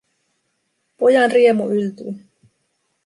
Pojan riemu yltyi.